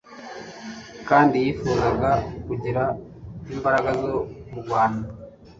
kandi yifuzaga kugira imbaraga zo kurwana